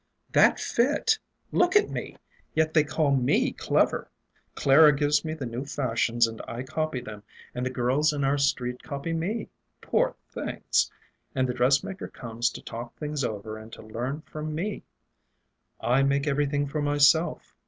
"That fit! Look at me! Yet they call me clever. Clara gives me the new fashions and I copy them, and the girls in our street copy me poor things! and the dressmaker comes to talk things over and to learn from me. I make everything for myself.